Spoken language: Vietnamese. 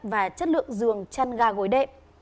và chất lượng giường chăn gà gối đệ